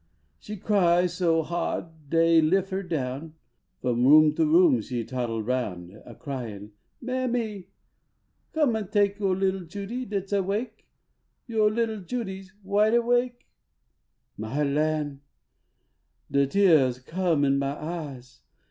She cry so ha d dey HP her down ; F om room to room she toddled roun A cryin :" Mammie ! come an take Yo little Judy dat s awake Yo little Judy s wide awake." My Ian ! de teahs come in my eyes